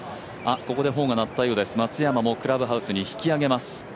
ここでホーンが鳴ったようです、松山もクラブハウスに引き上げます。